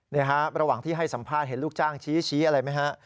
ระหว่างที่ให้สัมภาษณ์เห็นลูกจ้างชี้อะไรไหมฮะ